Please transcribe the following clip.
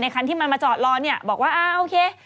ในครั้งที่มันมาจอดรอบอกว่าโอเค